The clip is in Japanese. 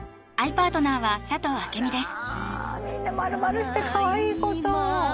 あらみんな丸々してかわいいこと。